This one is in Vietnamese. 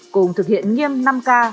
cùng thực hiện nghiêm năm k